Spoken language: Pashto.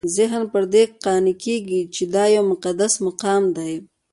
ذهن پر دې قانع کېږي چې دا یو مقدس مقام دی.